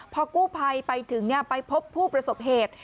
พอกู้ภัยไปถึงไปพบผู้ประสบเหตุ